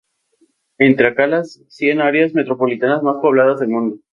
Está entre las cien áreas metropolitanas más pobladas del mundo.